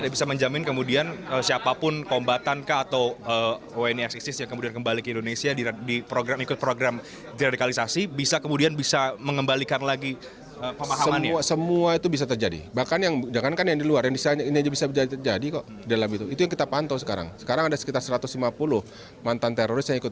bapak komjen paul soehardi alius